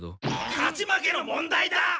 勝ち負けの問題だ！